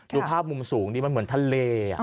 ดูภาพมุมสูงนี่มันเหมือนทะเล